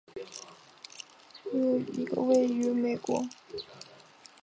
普莱森特西特是一个位于美国阿拉巴马州富兰克林县的非建制地区。